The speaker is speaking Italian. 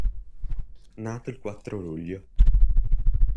Nato il quattro luglio